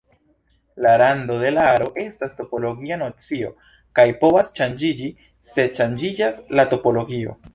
La rando de aro estas topologia nocio kaj povas ŝanĝiĝi se ŝanĝiĝas la topologio.